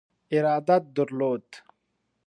ارادت درلود.